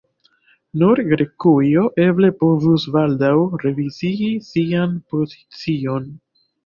Nur Grekujo eble povus baldaŭ revizii sian pozicion.